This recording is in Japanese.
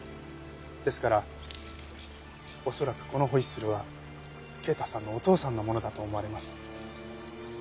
ですから恐らくこのホイッスルは慶太さんのお父さんのものだと思われます。